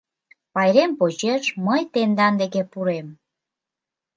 Пайрем почеш мый тендан деке пурем.